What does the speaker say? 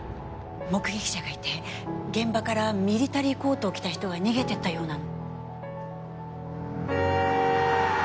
目撃者がいて現場からミリタリーコートを着た人が逃げていったようなの。